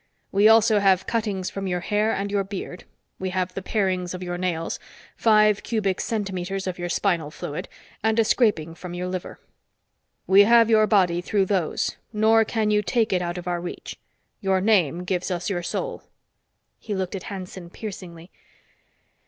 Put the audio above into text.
We also have cuttings from your hair and your beard; we have the parings of your nails, five cubic centimeters of your spinal fluid and a scraping from your liver. We have your body through those, nor can you take it out of our reach. Your name gives us your soul." He looked at Hanson piercingly.